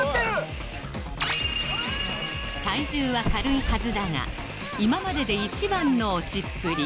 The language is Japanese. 体重は軽いはずだが今までで一番の落ちっぷり